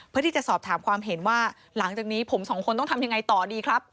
เพื่อที่จะสอบถามความเห็นว่าหลังจากนี้ผมสองคนต้องทำยังไงต่อดีครับ